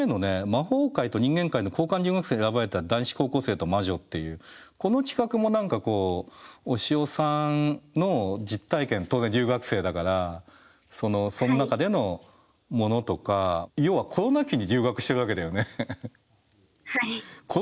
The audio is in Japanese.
「魔法界と人間界の交換留学生に選ばれた男子高校生と魔女」っていうこの企画も何かこうおしおさんの実体験当然留学生だからその中でのものとか要はコロナ期に留学してるわけだよね。